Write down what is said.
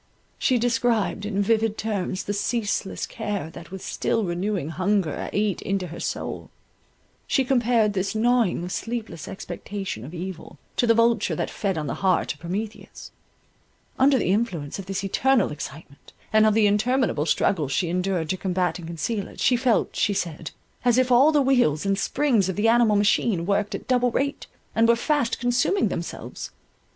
She described in vivid terms the ceaseless care that with still renewing hunger ate into her soul; she compared this gnawing of sleepless expectation of evil, to the vulture that fed on the heart of Prometheus; under the influence of this eternal excitement, and of the interminable struggles she endured to combat and conceal it, she felt, she said, as if all the wheels and springs of the animal machine worked at double rate, and were fast consuming themselves.